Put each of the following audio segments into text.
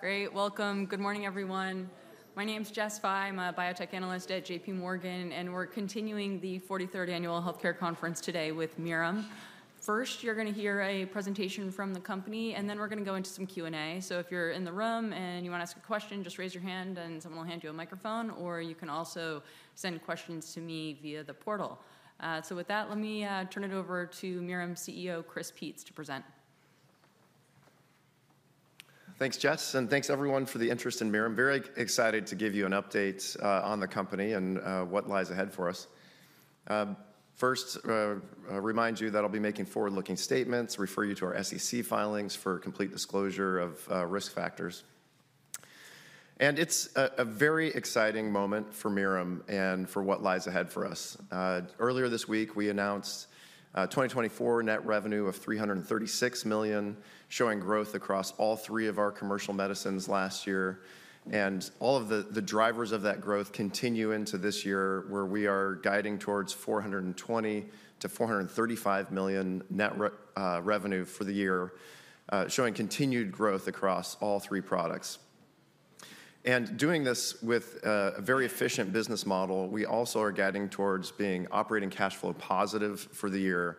Great. Welcome. Good morning, everyone. My name's Jessica Fye. I'm a biotech analyst at J.P. Morgan, and we're continuing the 43rd Annual Healthcare Conference today with Mirum. First, you're going to hear a presentation from the company, and then we're going to go into some Q&A. So if you're in the room and you want to ask a question, just raise your hand and someone will hand you a microphone, or you can also send questions to me via the portal. So with that, let me turn it over to Mirum CEO Chris Peetz to present. Thanks, Jessica, and thanks, everyone, for the interest in Mirum. Very excited to give you an update on the company and what lies ahead for us. First, remind you that I'll be making forward-looking statements, refer you to our SEC filings for complete disclosure of risk factors. And it's a very exciting moment for Mirum and for what lies ahead for us. Earlier this week, we announced a 2024 net revenue of $336 million, showing growth across all three of our commercial medicines last year. And all of the drivers of that growth continue into this year, where we are guiding towards $420-$435 million net revenue for the year, showing continued growth across all three products. And doing this with a very efficient business model, we also are guiding towards being operating cash flow positive for the year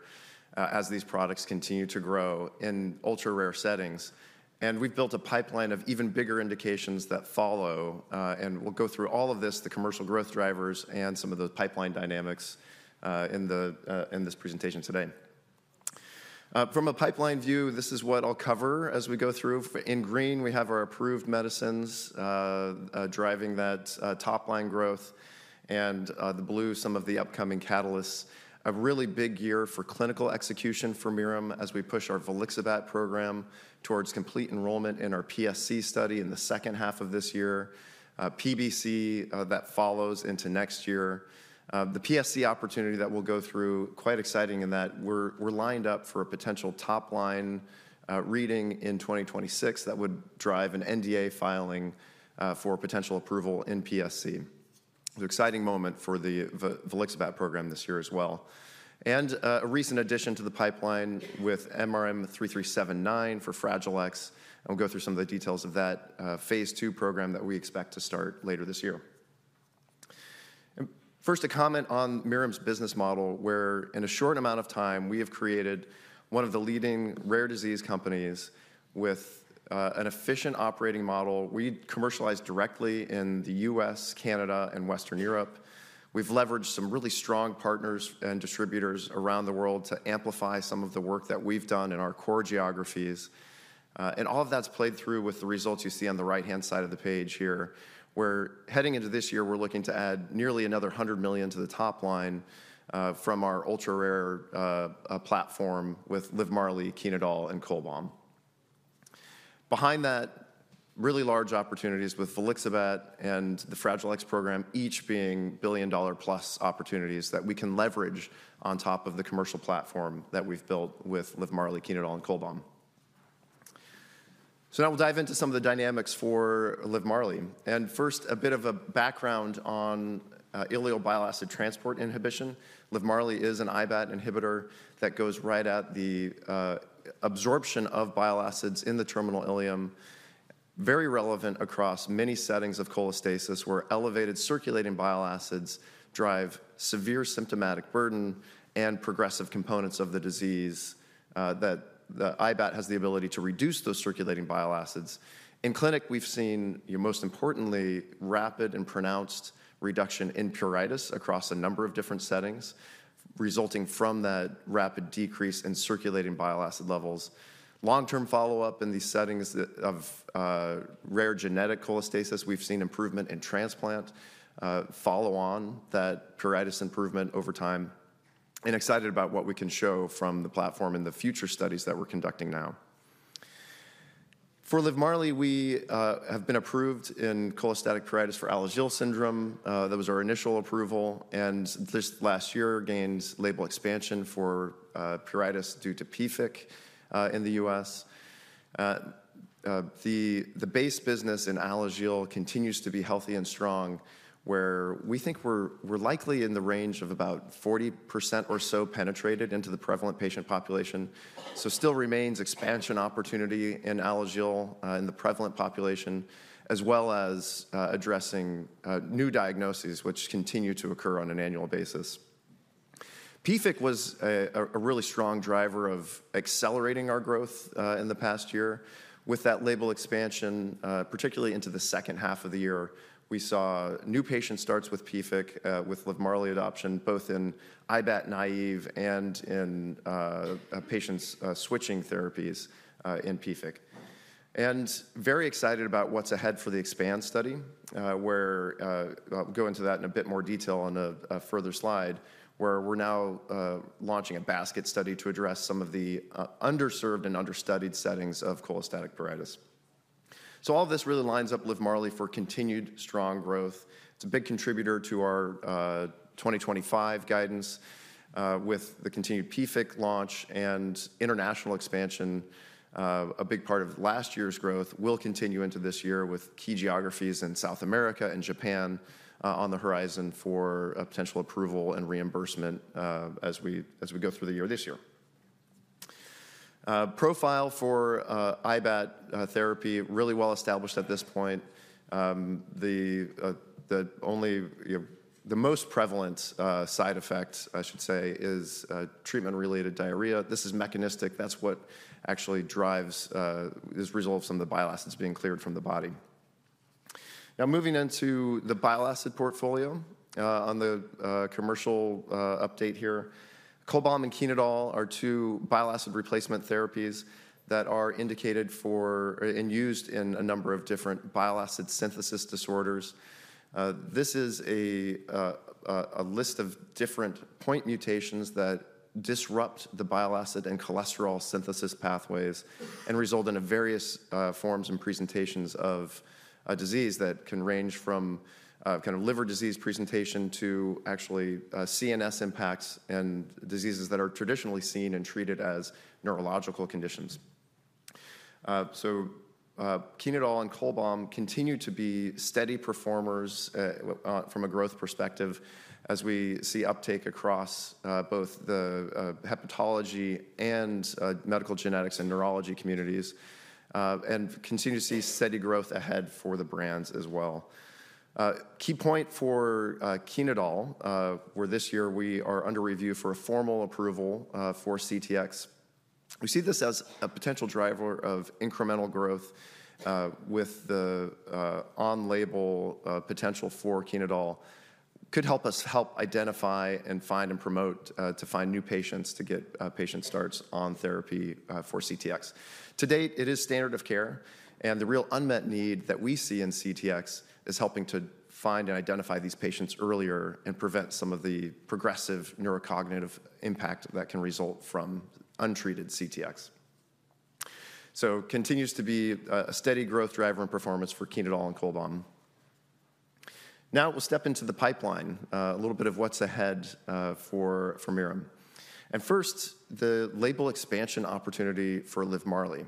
as these products continue to grow in ultra-rare settings. We've built a pipeline of even bigger indications that follow. We'll go through all of this, the commercial growth drivers, and some of the pipeline dynamics in this presentation today. From a pipeline view, this is what I'll cover as we go through. In green, we have our approved medicines driving that top-line growth, and the blue, some of the upcoming catalysts. A really big year for clinical execution for Mirum as we push our Volixibat program towards complete enrollment in our PSC study in the second half of this year, PBC that follows into next year. The PSC opportunity that we'll go through is quite exciting in that we're lined up for a potential top-line reading in 2026 that would drive an NDA filing for potential approval in PSC. An exciting moment for the Volixibat program this year as well. And a recent addition to the pipeline with MRM-3379 for Fragile X, and we'll go through some of the details of that phase two program that we expect to start later this year. First, a comment on Mirum's business model, where in a short amount of time, we have created one of the leading rare disease companies with an efficient operating model. We commercialize directly in the U.S., Canada, and Western Europe. We've leveraged some really strong partners and distributors around the world to amplify some of the work that we've done in our core geographies. And all of that's played through with the results you see on the right-hand side of the page here, where heading into this year, we're looking to add nearly another $100 million to the top line from our ultra-rare platform with Livmarli, Chenodal, and Cholbam. Behind that, really large opportunities with Volixibat and the Fragile X program, each being billion-dollar-plus opportunities that we can leverage on top of the commercial platform that we've built with Livmarli, Chenodal, and Cholbam. So now we'll dive into some of the dynamics for Livmarli. And first, a bit of a background on ileal bile acid transport inhibition. Livmarli is an IBAT inhibitor that goes right at the absorption of bile acids in the terminal ileum, very relevant across many settings of cholestasis, where elevated circulating bile acids drive severe symptomatic burden and progressive components of the disease that the IBAT has the ability to reduce those circulating bile acids. In clinic, we've seen, most importantly, rapid and pronounced reduction in pruritus across a number of different settings, resulting from that rapid decrease in circulating bile acid levels. Long-term follow-up in these settings of rare genetic cholestasis, we've seen improvement in transplant, follow-on that pruritus improvement over time, and excited about what we can show from the platform in the future studies that we're conducting now. For Livmarli, we have been approved in cholestatic pruritus for Alagille syndrome. That was our initial approval, and this last year gained label expansion for pruritus due to PFIC in the U.S. The base business in Alagille continues to be healthy and strong, where we think we're likely in the range of about 40% or so penetrated into the prevalent patient population. So still remains expansion opportunity in Alagille in the prevalent population, as well as addressing new diagnoses, which continue to occur on an annual basis. PFIC was a really strong driver of accelerating our growth in the past year. With that label expansion, particularly into the second half of the year, we saw new patient starts with PFIC with Livmarli adoption, both in IBAT naive and in patients switching therapies in PFIC. Very excited about what's ahead for the EXPAND study, where I'll go into that in a bit more detail on a further slide, where we're now launching a basket study to address some of the underserved and understudied settings of cholestatic pruritus. All of this really lines up Livmarli for continued strong growth. It's a big contributor to our 2025 guidance. With the continued PFIC launch and international expansion, a big part of last year's growth will continue into this year with key geographies in South America and Japan on the horizon for potential approval and reimbursement as we go through the year this year. Profile for IBAT therapy really well established at this point. The most prevalent side effect, I should say, is treatment-related diarrhea. This is mechanistic. That's what actually drives these results in the bile acids being cleared from the body. Now, moving into the bile acid portfolio on the commercial update here, Cholbam and Chenodal are two bile acid replacement therapies that are indicated for and used in a number of different bile acid synthesis disorders. This is a list of different point mutations that disrupt the bile acid and cholesterol synthesis pathways and result in various forms and presentations of disease that can range from kind of liver disease presentation to actually CNS impacts and diseases that are traditionally seen and treated as neurological conditions. Chenodal and Cholbam continue to be steady performers from a growth perspective as we see uptake across both the hepatology and medical genetics and neurology communities and continue to see steady growth ahead for the brands as well. Key point for Chenodal, where this year we are under review for a formal approval for CTX. We see this as a potential driver of incremental growth with the on-label potential for Chenodal. It could help us help identify and find and promote to find new patients to get patient starts on therapy for CTX. To date, it is standard of care, and the real unmet need that we see in CTX is helping to find and identify these patients earlier and prevent some of the progressive neurocognitive impact that can result from untreated CTX. It continues to be a steady growth driver and performance for Chenodal and Cholbam. Now we'll step into the pipeline, a little bit of what's ahead for Mirum. First, the label expansion opportunity for Livmarli.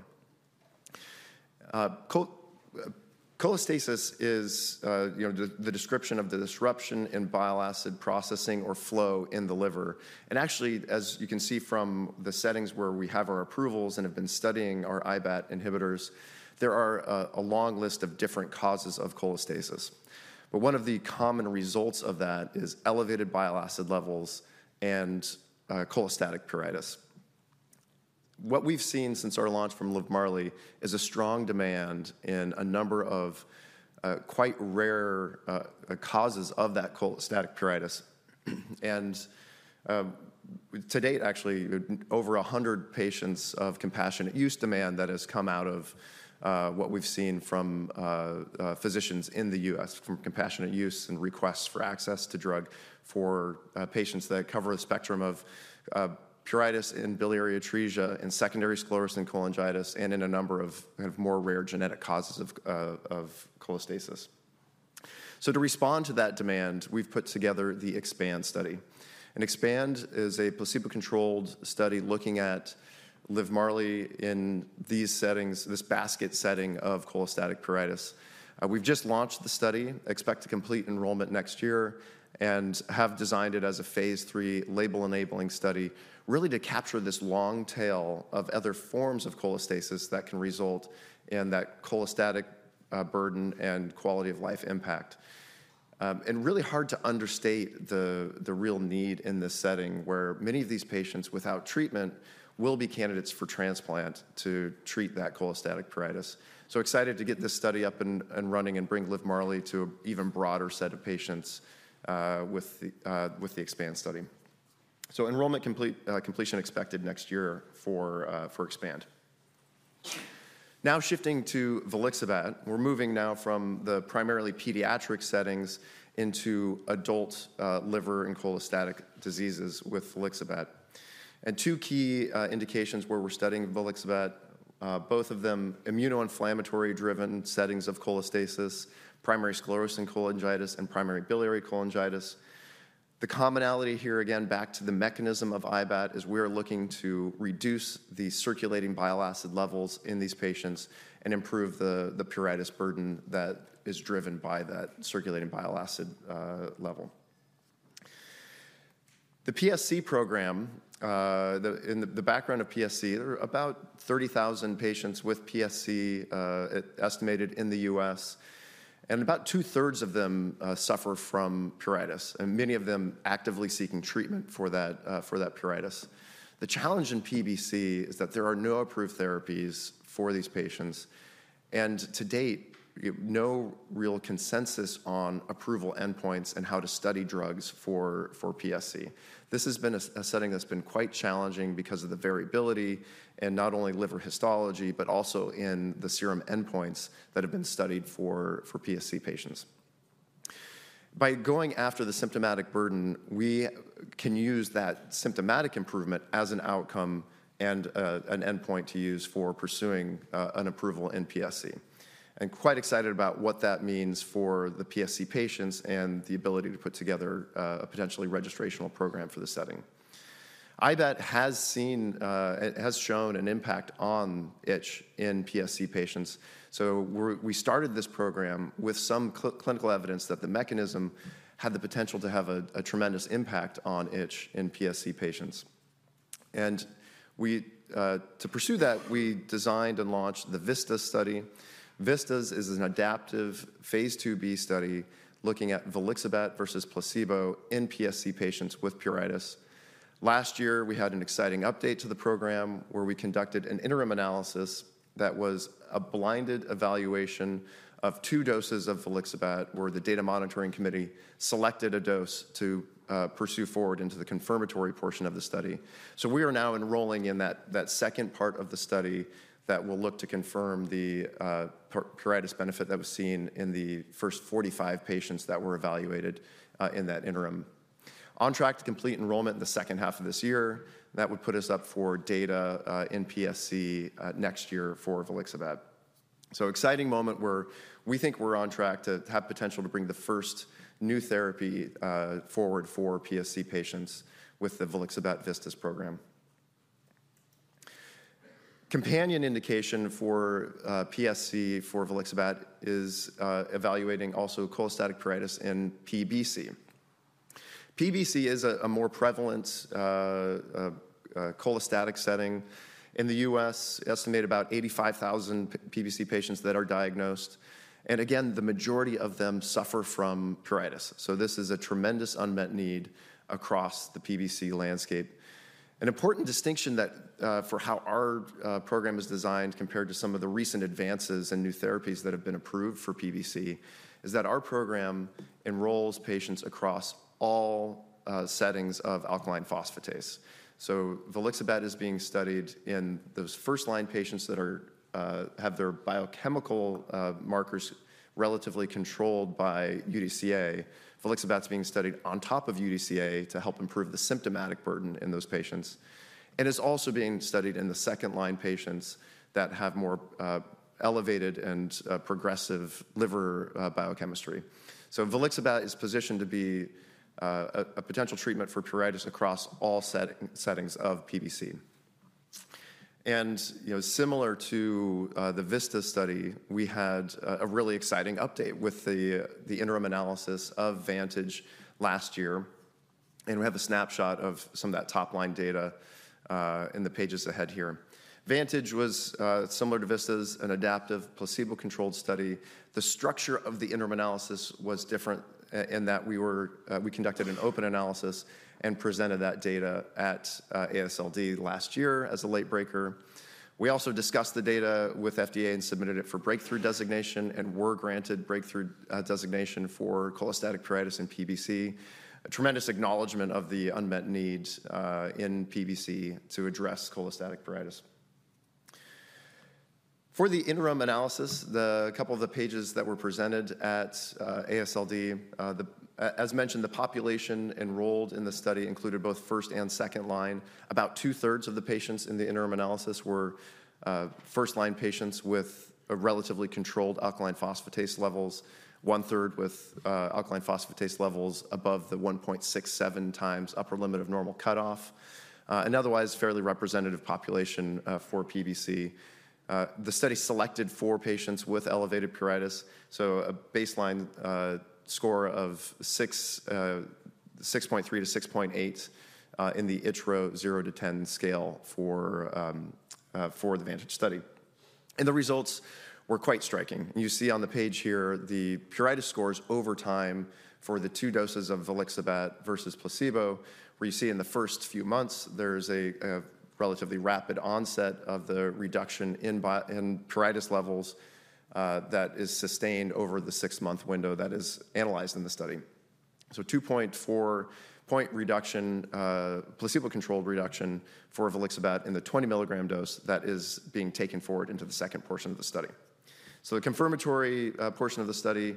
Cholestasis is the description of the disruption in bile acid processing or flow in the liver. Actually, as you can see from the settings where we have our approvals and have been studying our IBAT inhibitors, there are a long list of different causes of cholestasis. One of the common results of that is elevated bile acid levels and cholestatic pruritus. What we've seen since our launch from Livmarli is a strong demand in a number of quite rare causes of that cholestatic pruritus. To date, actually, over 100 patients of compassionate use demand that has come out of what we've seen from physicians in the U.S. From compassionate use and requests for access to drug for patients that cover a spectrum of pruritus in biliary atresia and secondary sclerosing cholangitis and in a number of kind of more rare genetic causes of cholestasis. So to respond to that demand, we've put together the EXPAND study. And EXPAND is a placebo-controlled study looking at Livmarli in these settings, this basket setting of cholestatic pruritus. We've just launched the study, expect to complete enrollment next year, and have designed it as a phase 3 label enabling study, really to capture this long tail of other forms of cholestasis that can result in that cholestatic burden and quality of life impact. And really hard to understate the real need in this setting, where many of these patients without treatment will be candidates for transplant to treat that cholestatic pruritus. so excited to get this study up and running and bring Livmarli to an even broader set of patients with the EXPAND study. Enrollment completion is expected next year for EXPAND. Now shifting to Volixibat, we are moving now from the primarily pediatric settings into adult liver and cholestatic diseases with Volixibat. Two key indications where we are studying Volixibat, both of them immunoinflammatory-driven settings of cholestasis, primary sclerosing cholangitis, and primary biliary cholangitis. The commonality here, again, back to the mechanism of IBAT, is we are looking to reduce the circulating bile acid levels in these patients and improve the pruritus burden that is driven by that circulating bile acid level. The PSC program, in the background of PSC, there are about 30,000 patients with PSC estimated in the U.S., and about two-thirds of them suffer from pruritus, and many of them actively seeking treatment for that pruritus. The challenge in PBC is that there are no approved therapies for these patients, and to date, no real consensus on approval endpoints and how to study drugs for PSC. This has been a setting that's been quite challenging because of the variability in not only liver histology, but also in the serum endpoints that have been studied for PSC patients. By going after the symptomatic burden, we can use that symptomatic improvement as an outcome and an endpoint to use for pursuing an approval in PSC, and quite excited about what that means for the PSC patients and the ability to put together a potentially registrational program for the setting. IBAT has shown an impact on itch in PSC patients, so we started this program with some clinical evidence that the mechanism had the potential to have a tremendous impact on itch in PSC patients. To pursue that, we designed and launched the VISTAS study. VISTAS is an adaptive phase 2b study looking at volixibat versus placebo in PSC patients with pruritus. Last year, we had an exciting update to the program where we conducted an interim analysis that was a blinded evaluation of two doses of volixibat, where the data monitoring committee selected a dose to pursue forward into the confirmatory portion of the study. We are now enrolling in that second part of the study that will look to confirm the pruritus benefit that was seen in the first 45 patients that were evaluated in that interim. On track to complete enrollment in the second half of this year, that would put us up for data in PSC next year for volixibat. an exciting moment where we think we're on track to have potential to bring the first new therapy forward for PSC patients with the Volixibat VISTAS program. Companion indication for PSC for Volixibat is evaluating also cholestatic pruritus in PBC. PBC is a more prevalent cholestatic setting in the U.S. We estimate about 85,000 PBC patients that are diagnosed. And again, the majority of them suffer from pruritus. So this is a tremendous unmet need across the PBC landscape. An important distinction for how our program is designed compared to some of the recent advances and new therapies that have been approved for PBC is that our program enrolls patients across all settings of alkaline phosphatase. So Volixibat is being studied in those first-line patients that have their biochemical markers relatively controlled by UDCA. Volixibat's being studied on top of UDCA to help improve the symptomatic burden in those patients. It's also being studied in the second-line patients that have more elevated and progressive liver biochemistry. So Volixibat is positioned to be a potential treatment for pruritus across all settings of PBC. And similar to the VISTAS study, we had a really exciting update with the interim analysis of VANTAGE last year. And we have a snapshot of some of that top-line data in the pages ahead here. VANTAGE was similar to VISTAS, an adaptive placebo-controlled study. The structure of the interim analysis was different in that we conducted an open analysis and presented that data at AASLD last year as a late breaker. We also discussed the data with FDA and submitted it for breakthrough designation and were granted breakthrough designation for cholestatic pruritus in PBC. A tremendous acknowledgement of the unmet need in PBC to address cholestatic pruritus. For the interim analysis, a couple of the pages that were presented at AASLD, as mentioned, the population enrolled in the study included both first and second line. About two-thirds of the patients in the interim analysis were first-line patients with relatively controlled alkaline phosphatase levels, one-third with alkaline phosphatase levels above the 1.67 times upper limit of normal cutoff, an otherwise fairly representative population for PBC. The study selected four patients with elevated pruritus, so a baseline score of 6.3 to 6.8 in the ItchRO 0 to 10 scale for the VANTAGE study. The results were quite striking. You see on the page here the pruritus scores over time for the two doses of Volixibat versus placebo, where you see in the first few months, there's a relatively rapid onset of the reduction in pruritus levels that is sustained over the six-month window that is analyzed in the study. So 2.4-point reduction, placebo-controlled reduction for Volixibat in the 20-milligram dose that is being taken forward into the second portion of the study. So the confirmatory portion of the study,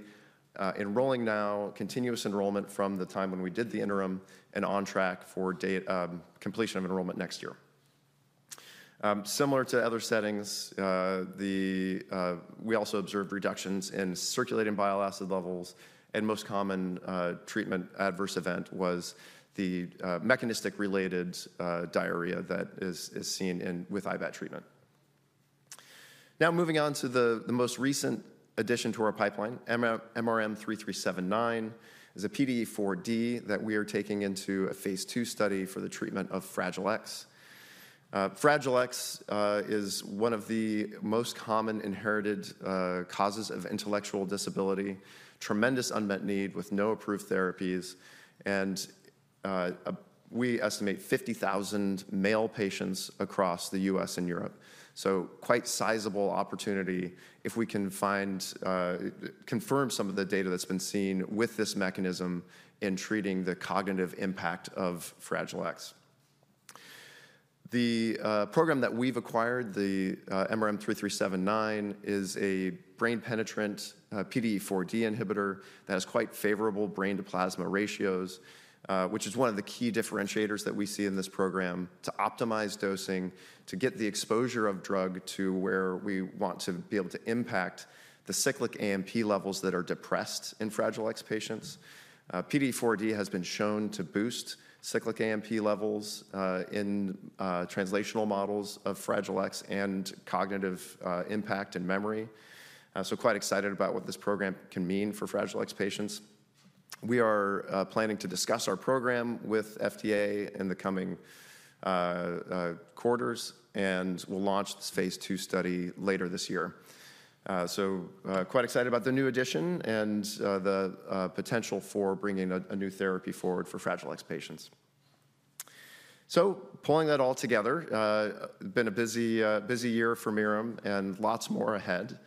enrolling now, continuous enrollment from the time when we did the interim and on track for completion of enrollment next year. Similar to other settings, we also observed reductions in circulating bile acid levels, and most common treatment adverse event was the mechanistic-related diarrhea that is seen with IBAT treatment. Now, moving on to the most recent addition to our pipeline, MRM-3379, is a PDE4D that we are taking into a phase 2 study for the treatment of Fragile X. Fragile X is one of the most common inherited causes of intellectual disability, tremendous unmet need with no approved therapies, and we estimate 50,000 male patients across the U.S. and Europe. So quite sizable opportunity if we can confirm some of the data that's been seen with this mechanism in treating the cognitive impact of Fragile X. The program that we've acquired, the MRM-3379, is a brain-penetrant PDE4D inhibitor that has quite favorable brain-to-plasma ratios, which is one of the key differentiators that we see in this program to optimize dosing, to get the exposure of drug to where we want to be able to impact the cyclic AMP levels that are depressed in Fragile X patients. PDE4D has been shown to boost cyclic AMP levels in translational models of Fragile X and cognitive impact and memory. So quite excited about what this program can mean for Fragile X patients. We are planning to discuss our program with FDA in the coming quarters, and we'll launch this phase two study later this year. So quite excited about the new addition and the potential for bringing a new therapy forward for Fragile X patients. So pulling that all together, it's been a busy year for Mirum and lots more ahead.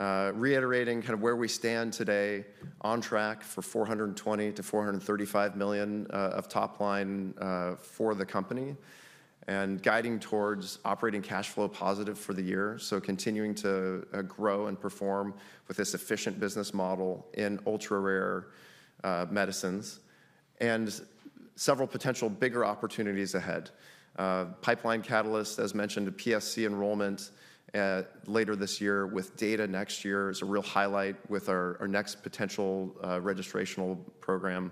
Reiterating kind of where we stand today on track for $420 million-$435 million of top line for the company and guiding towards operating cash flow positive for the year. So continuing to grow and perform with this efficient business model in ultra-rare medicines and several potential bigger opportunities ahead. Pipeline catalyst, as mentioned, PSC enrollment later this year with data next year is a real highlight with our next potential registrational program,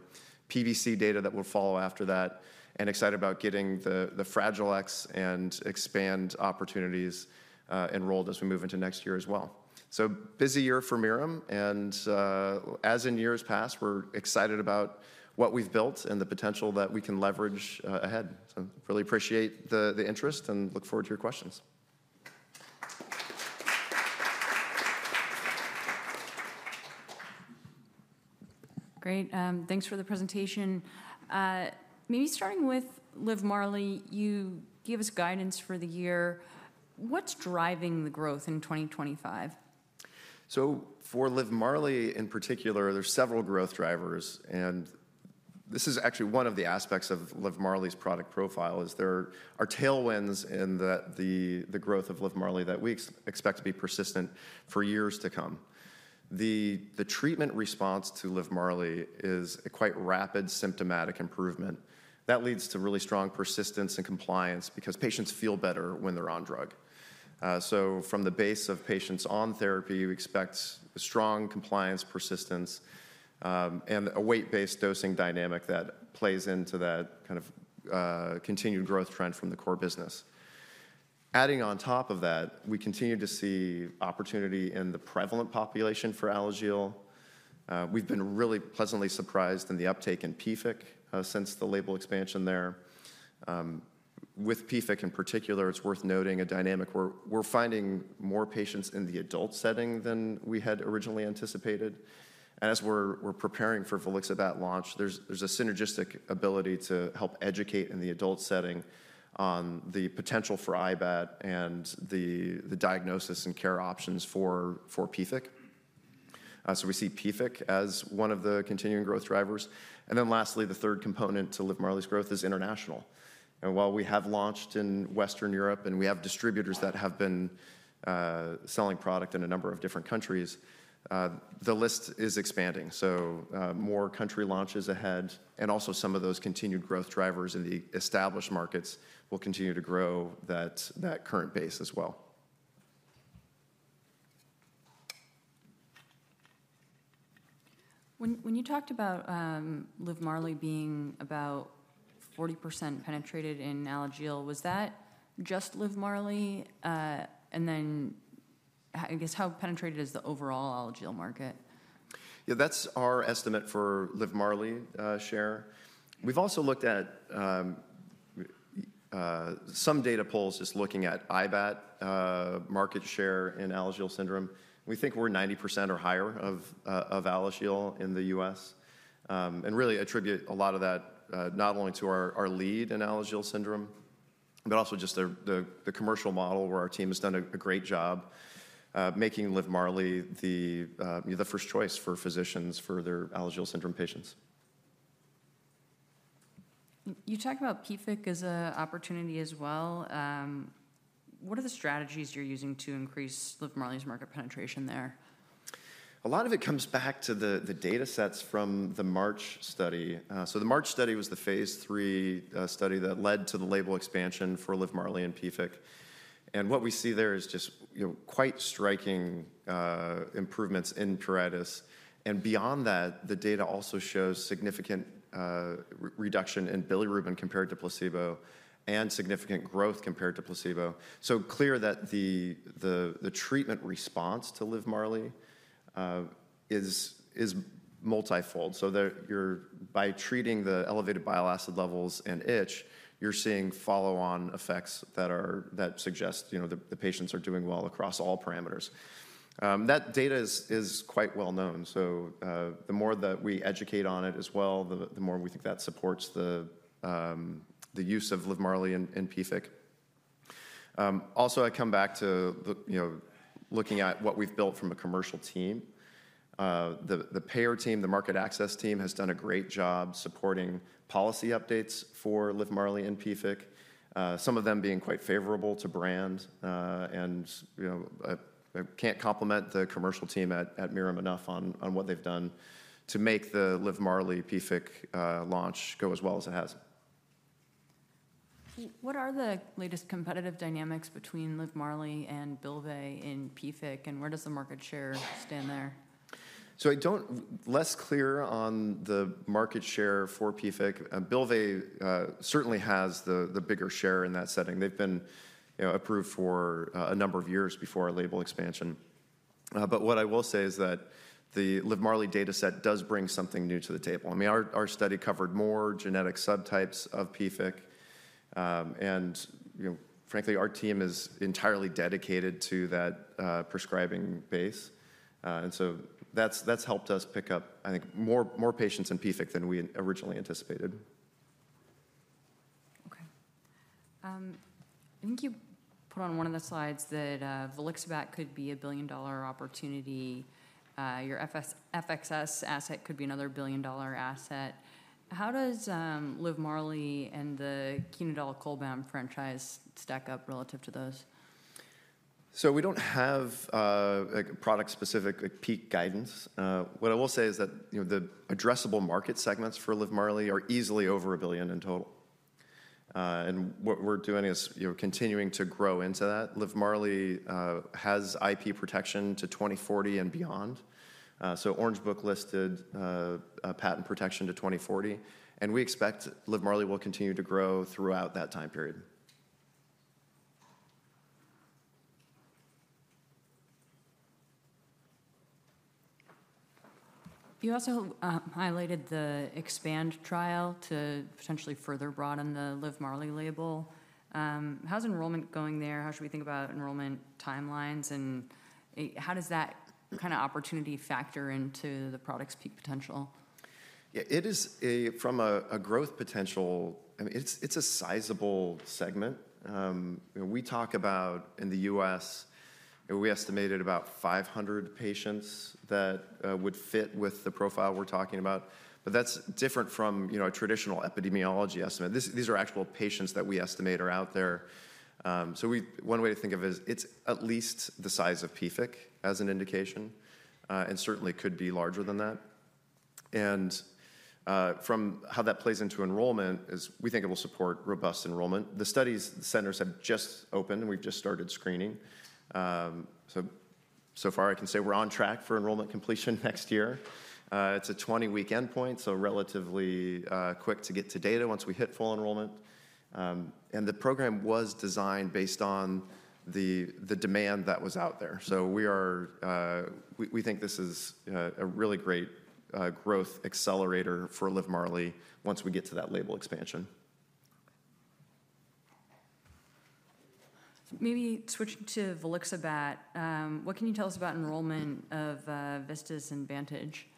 PFIC data that will follow after that. And excited about getting the Fragile X and EXPAND opportunities enrolled as we move into next year as well. So busy year for Mirum, and as in years past, we're excited about what we've built and the potential that we can leverage ahead. So really appreciate the interest and look forward to your questions. Great. Thanks for the presentation. Maybe starting with Livmarli, you gave us guidance for the year. What's driving the growth in 2025? So for Livmarli in particular, there's several growth drivers, and this is actually one of the aspects of Livmarli's product profile. There are tailwinds in the growth of Livmarli that we expect to be persistent for years to come. The treatment response to Livmarli is a quite rapid symptomatic improvement. That leads to really strong persistence and compliance because patients feel better when they're on drug. From the base of patients on therapy, we expect strong compliance, persistence, and a weight-based dosing dynamic that plays into that kind of continued growth trend from the core business. Adding on top of that, we continue to see opportunity in the prevalent population for Alagille. We've been really pleasantly surprised in the uptake in PFIC since the label expansion there. With PFIC in particular, it's worth noting a dynamic where we're finding more patients in the adult setting than we had originally anticipated, and as we're preparing for Volixibat launch, there's a synergistic ability to help educate in the adult setting on the potential for IBAT and the diagnosis and care options for PFIC, so we see PFIC as one of the continuing growth drivers, and then lastly, the third component to Livmarli's growth is international, and while we have launched in Western Europe and we have distributors that have been selling product in a number of different countries, the list is expanding, so more country launches ahead and also some of those continued growth drivers in the established markets will continue to grow that current base as well. When you talked about Livmarli being about 40% penetrated in Alagille, was that just Livmarli? And then I guess how penetrated is the overall Alagille market? Yeah, that's our estimate for Livmarli share. We've also looked at some data pulls just looking at IBAT market share in Alagille syndrome. We think we're 90% or higher of Alagille in the U.S. and really attribute a lot of that not only to our lead in Alagille syndrome, but also just the commercial model where our team has done a great job making Livmarli the first choice for physicians for their Alagille syndrome patients. You talk about PFIC as an opportunity as well. What are the strategies you're using to increase Livmarli's market penetration there? A lot of it comes back to the data sets from the MARCH study. So the MARCH study was the phase three study that led to the label expansion for Livmarli and PFIC. And what we see there is just quite striking improvements in pruritus. And beyond that, the data also shows significant reduction in bilirubin compared to placebo and significant growth compared to placebo. So clear that the treatment response to Livmarli is multifold. So by treating the elevated bile acid levels and itch, you're seeing follow-on effects that suggest the patients are doing well across all parameters. That data is quite well known. So the more that we educate on it as well, the more we think that supports the use of Livmarli and PFIC. Also, I come back to looking at what we've built from a commercial team. The payer team, the market access team has done a great job supporting policy updates for Livmarli and PFIC, some of them being quite favorable to brand, and I can't compliment the commercial team at Mirum enough on what they've done to make the Livmarli PFIC launch go as well as it has. What are the latest competitive dynamics between Livmarli and Bylvay in PFIC, and where does the market share stand there? So, I'm less clear on the market share for PFIC. Bylvay certainly has the bigger share in that setting. They've been approved for a number of years before our label expansion. But what I will say is that the Livmarli data set does bring something new to the table. I mean, our study covered more genetic subtypes of PFIC. And frankly, our team is entirely dedicated to that prescribing base. And so that's helped us pick up, I think, more patients in PFIC than we originally anticipated. Okay. I think you put on one of the slides that Volixibat could be a billion-dollar opportunity. Your FXS asset could be another billion-dollar asset. How does Livmarli and the Chenodal Cholbam franchise stack up relative to those? We don't have product-specific peak guidance. What I will say is that the addressable market segments for Livmarli are easily over a billion in total. And what we're doing is continuing to grow into that. Livmarli has IP protection to 2040 and beyond. Orange Book listed patent protection to 2040. And we expect Livmarli will continue to grow throughout that time period. You also highlighted the EXPAND trial to potentially further broaden the Livmarli label. How's enrollment going there? How should we think about enrollment timelines? And how does that kind of opportunity factor into the product's peak potential? Yeah, it is from a growth potential. I mean, it's a sizable segment. We talk about in the U.S., we estimated about 500 patients that would fit with the profile we're talking about. But that's different from a traditional epidemiology estimate. These are actual patients that we estimate are out there. So one way to think of it is it's at least the size of PFIC as an indication and certainly could be larger than that. And from how that plays into enrollment is we think it will support robust enrollment. The study centers have just opened, and we've just started screening. So far, I can say we're on track for enrollment completion next year. It's a 20-week endpoint, so relatively quick to get to data once we hit full enrollment. And the program was designed based on the demand that was out there. So we think this is a really great growth accelerator for Livmarli once we get to that label expansion. Maybe switching to Volixibat, what can you tell us about enrollment of VISTAS and VANTAGE?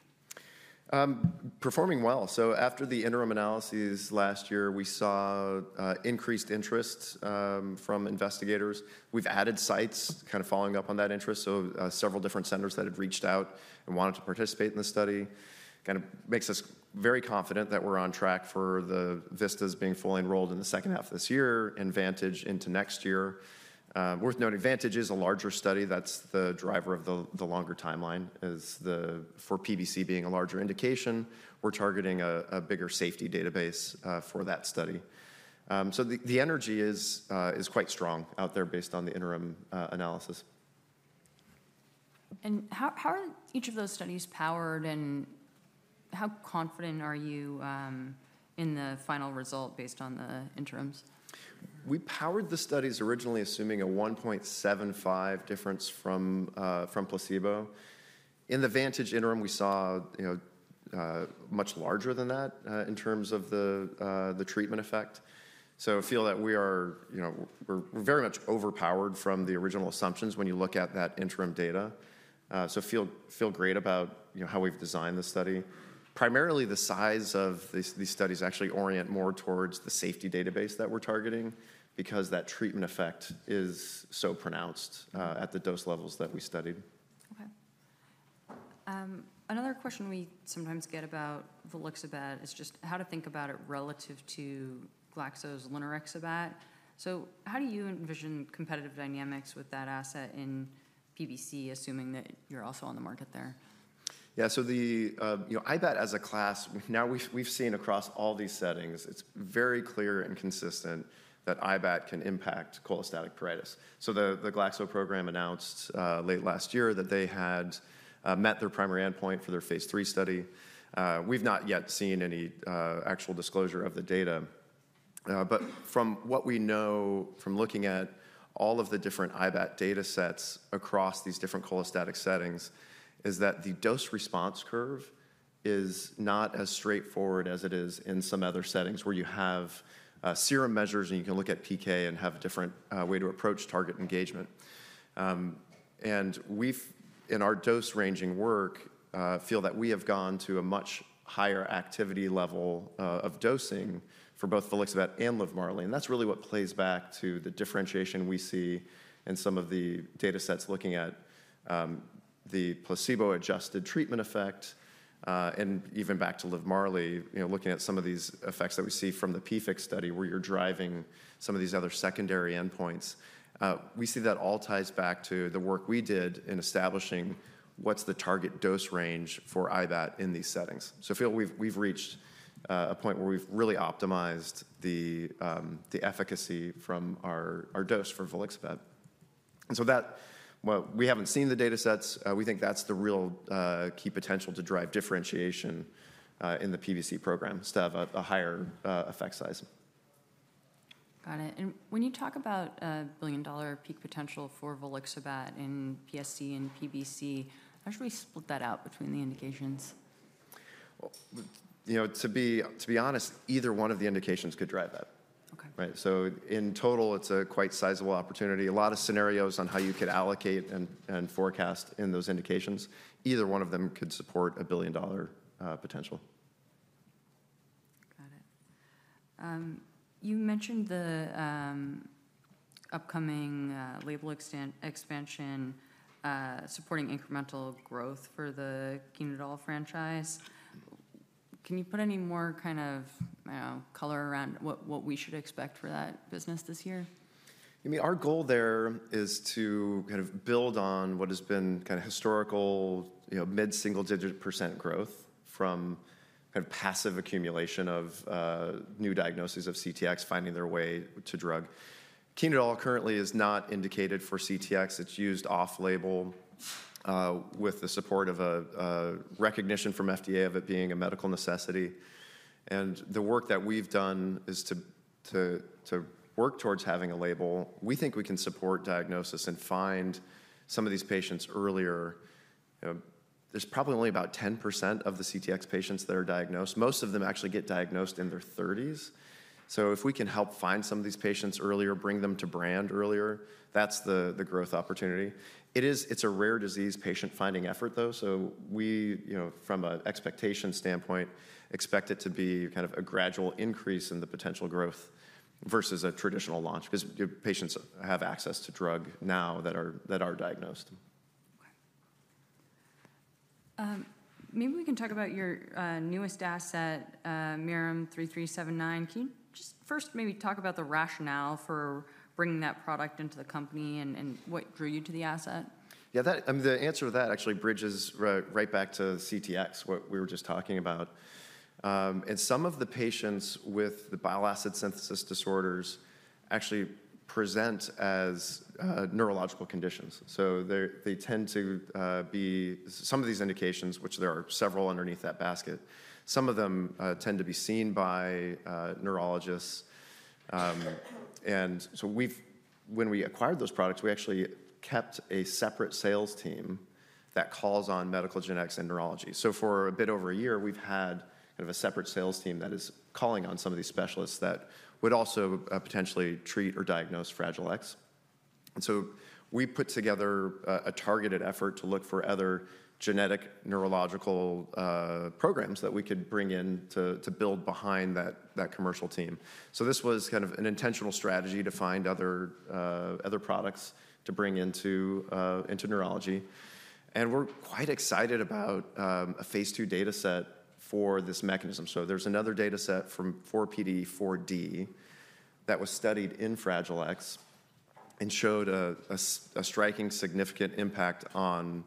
Performing well. So after the interim analyses last year, we saw increased interest from investigators. We've added sites kind of following up on that interest. So several different centers that had reached out and wanted to participate in the study kind of makes us very confident that we're on track for the VISTAS being fully enrolled in the second half of this year and VANTAGE into next year. Worth noting, VANTAGE is a larger study. That's the driver of the longer timeline for PBC being a larger indication. We're targeting a bigger safety database for that study. So the energy is quite strong out there based on the interim analysis. How are each of those studies powered, and how confident are you in the final result based on the interims? We powered the studies originally assuming a 1.75 difference from placebo. In the VANTAGE interim, we saw much larger than that in terms of the treatment effect. So I feel that we're very much overpowered from the original assumptions when you look at that interim data. So I feel great about how we've designed the study. Primarily, the size of these studies actually orient more towards the safety database that we're targeting because that treatment effect is so pronounced at the dose levels that we studied. Okay. Another question we sometimes get about Volixibat is just how to think about it relative to GSK's Linerixibat. So how do you envision competitive dynamics with that asset in PBC, assuming that you're also on the market there? Yeah, so IBAT as a class, now we've seen across all these settings, it's very clear and consistent that IBAT can impact cholestatic pruritus. So the Glaxo program announced late last year that they had met their primary endpoint for their phase 3 study. We've not yet seen any actual disclosure of the data. But from what we know from looking at all of the different IBAT data sets across these different cholestatic settings is that the dose response curve is not as straightforward as it is in some other settings where you have serum measures and you can look at PK and have a different way to approach target engagement. And in our dose ranging work, I feel that we have gone to a much higher activity level of dosing for both Volixibat and Livmarli. That's really what plays back to the differentiation we see in some of the data sets looking at the placebo-adjusted treatment effect and even back to Livmarli, looking at some of these effects that we see from the PFIC study where you're driving some of these other secondary endpoints. We see that all ties back to the work we did in establishing what's the target dose range for IBAT in these settings. So I feel we've reached a point where we've really optimized the efficacy from our dose for Volixibat. And so we haven't seen the data sets. We think that's the real key potential to drive differentiation in the PBC program to have a higher effect size. Got it. And when you talk about a billion-dollar peak potential for Volixibat in PSC and PBC, how should we split that out between the indications? To be honest, either one of the indications could drive that. So in total, it's a quite sizable opportunity. A lot of scenarios on how you could allocate and forecast in those indications, either one of them could support a billion-dollar potential. Got it. You mentioned the upcoming label expansion supporting incremental growth for the Chenodal franchise. Can you put any more kind of color around what we should expect for that business this year? I mean, our goal there is to kind of build on what has been kind of historical mid-single-digit % growth from kind of passive accumulation of new diagnoses of CTX finding their way to drug. Chenodal currently is not indicated for CTX. It's used off-label with the support of a recognition from FDA of it being a medical necessity, and the work that we've done is to work towards having a label. We think we can support diagnosis and find some of these patients earlier. There's probably only about 10% of the CTX patients that are diagnosed. Most of them actually get diagnosed in their 30s. So if we can help find some of these patients earlier, bring them to brand earlier, that's the growth opportunity. It's a rare disease patient-finding effort, though. We, from an expectation standpoint, expect it to be kind of a gradual increase in the potential growth versus a traditional launch because patients have access to drug now that are diagnosed. Okay. Maybe we can talk about your newest asset, MRM-3379. Can you just first maybe talk about the rationale for bringing that product into the company and what drew you to the asset? Yeah, the answer to that actually bridges right back to CTX, what we were just talking about. And some of the patients with the bile acid synthesis disorders actually present as neurological conditions. So they tend to be some of these indications, which there are several underneath that basket, some of them tend to be seen by neurologists. And so when we acquired those products, we actually kept a separate sales team that calls on medical genetics and neurology. So for a bit over a year, we've had kind of a separate sales team that is calling on some of these specialists that would also potentially treat or diagnose Fragile X. And so we put together a targeted effort to look for other genetic neurological programs that we could bring in to build behind that commercial team. So this was kind of an intentional strategy to find other products to bring into neurology. And we're quite excited about a phase 2 data set for this mechanism. So there's another data set from PDE4D that was studied in Fragile X and showed a striking significant impact on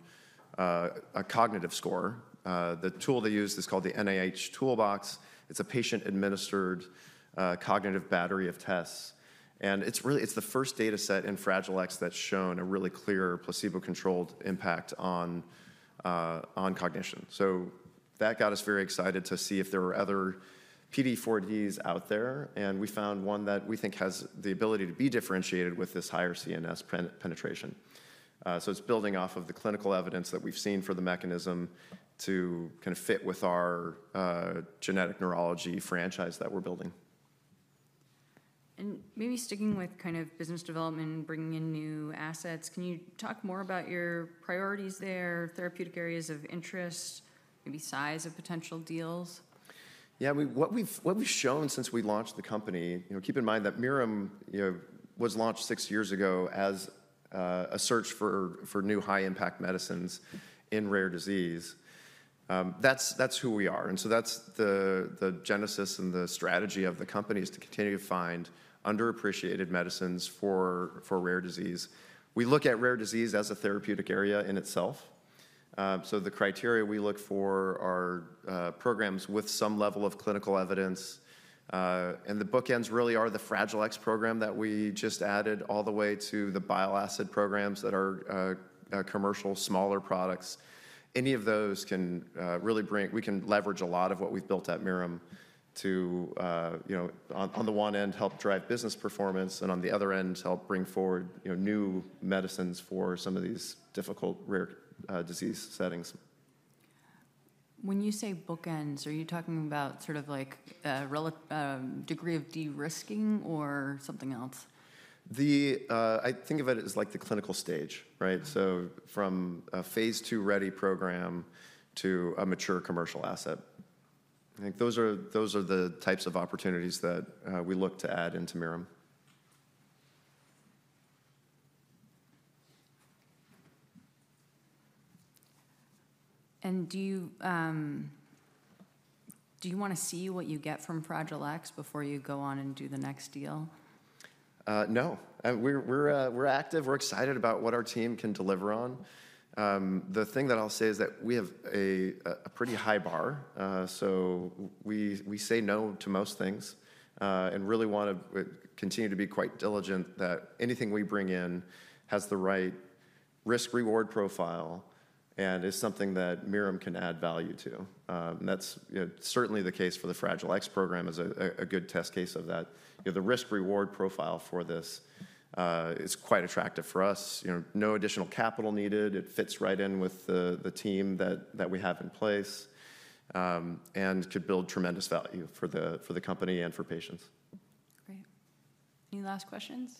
a cognitive score. The tool they used is called the NIH Toolbox. It's a patient-administered cognitive battery of tests. And it's the first data set in Fragile X that's shown a really clear placebo-controlled impact on cognition. So that got us very excited to see if there were other PDE4Ds out there. And we found one that we think has the ability to be differentiated with this higher CNS penetration. So it's building off of the clinical evidence that we've seen for the mechanism to kind of fit with our genetic neurology franchise that we're building. And maybe sticking with kind of business development and bringing in new assets, can you talk more about your priorities there, therapeutic areas of interest, maybe size of potential deals? Yeah, what we've shown since we launched the company. Keep in mind that Mirum was launched six years ago as a search for new high-impact medicines in rare disease. That's who we are. And so that's the genesis and the strategy of the company is to continue to find underappreciated medicines for rare disease. We look at rare disease as a therapeutic area in itself. So the criteria we look for are programs with some level of clinical evidence. And the bookends really are the Fragile X program that we just added all the way to the bile acid programs that are commercial smaller products. Any of those can really bring. We can leverage a lot of what we've built at Mirum to, on the one end, help drive business performance and on the other end, help bring forward new medicines for some of these difficult rare disease settings. When you say bookends, are you talking about sort of like a degree of de-risking or something else? I think of it as like the clinical stage, right, so from a phase two ready program to a mature commercial asset. I think those are the types of opportunities that we look to add into Mirum. Do you want to see what you get from Fragile X before you go on and do the next deal? No. We're active. We're excited about what our team can deliver on. The thing that I'll say is that we have a pretty high bar. So we say no to most things and really want to continue to be quite diligent that anything we bring in has the right risk-reward profile and is something that Mirum can add value to. And that's certainly the case for the Fragile X program as a good test case of that. The risk-reward profile for this is quite attractive for us. No additional capital needed. It fits right in with the team that we have in place and could build tremendous value for the company and for patients. Great. Any last questions?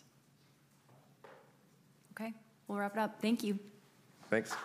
Okay. We'll wrap it up. Thank you. Thanks.